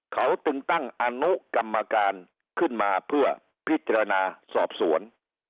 เขาตึงตั้งอนุกรรมการขึ้นมาเพื่อพิจารณาสอบสวน